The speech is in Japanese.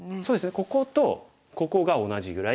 こことここが同じぐらい。